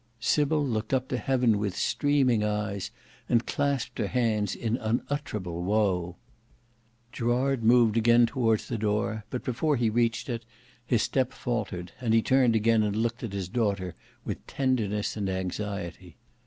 Sybil looked up to heaven with streaming eyes, and clasped her hands in unutterable woe. Gerard moved again towards the door, but before he reached it, his step faltered, and he turned again and looked at his daughter with tenderness and anxiety.